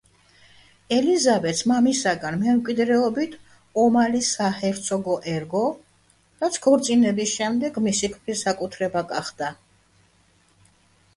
ელიზაბეტს მამისგან მემკვიდრეობით ომალის საჰერცოგო ერგო, რაც ქორწინების შემდეგ მისი ქმრის საკუთრება გახდა.